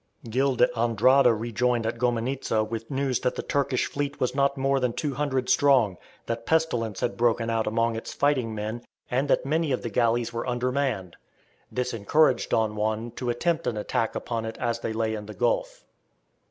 Gil d'Andrada rejoined at Gomenizza with news that the Turkish fleet was not more than 200 strong; that pestilence had broken out among its fighting men, and that many of the galleys were undermanned. This encouraged Don Juan to attempt an attack upon it as it lay in the gulf.